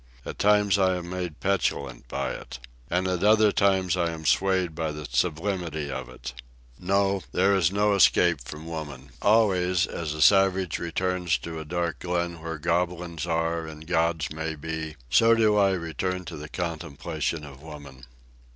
At times I am made petulant by it. And at other times I am swayed by the sublimity of it. No; there is no escape from woman. Always, as a savage returns to a dark glen where goblins are and gods may be, so do I return to the contemplation of woman.